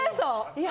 いや。